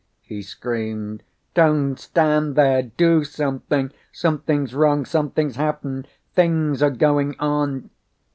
he screamed. "Don't stand there! Do something! Something's wrong! Something's happened! Things are going on!"